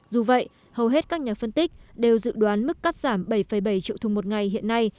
dù vậy hầu hết các nhà phân tích đều dự đoán mức cắt giảm bảy bảy triệu thùng một ngày hiện nay